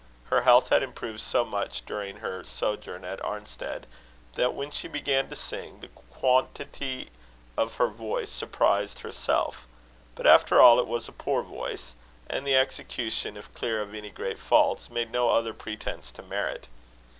Her health had improved so much during her sojourn at Arnstead, that, when she began to sing, the quantity of her voice surprised herself; but after all, it was a poor voice; and the execution, if clear of any great faults, made no other pretence to merit.